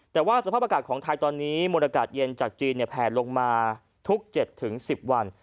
แต่ว่าสภาพอากาศของไทยตอนนี้มวลอากาศเย็นจากจีนแผลลงมาทุก๗๑๐วัน